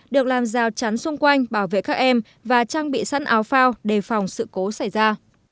được làm rào chắn xung quanh bảo vệ các em và trang bị sẵn áo phao đề phòng sự cố xảy ra